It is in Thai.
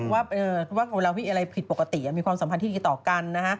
ว่าเวลามีอะไรผิดปกติมีความสัมพันธ์ที่ดีต่อกัน